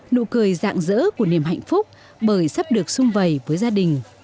nụ cười dạng dỡ của niềm hạnh phúc bởi sắp được xung vầy với gia đình